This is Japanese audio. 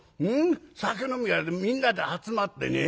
酒飲みはみんなで集まってね